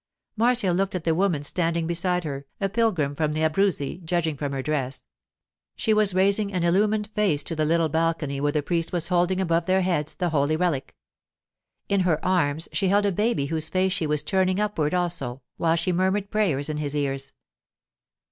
Marcia looked at the woman standing beside her, a pilgrim from the Abruzzi, judging from her dress. She was raising an illumined face to the little balcony where the priest was holding above their heads the holy relic. In her arms she held a baby whose face she was turning upward also, while she murmured prayers in his ears.